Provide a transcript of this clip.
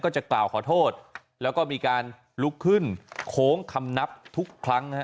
จะกล่าวขอโทษแล้วก็มีการลุกขึ้นโค้งคำนับทุกครั้ง